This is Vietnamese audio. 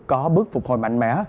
có bước phục hồi mạnh mẽ